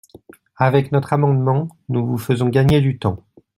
Avec notre amendement, nous vous faisons gagner du temps.